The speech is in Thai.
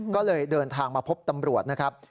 ก็เลยเดินทางมาพบตำรวจนะครับ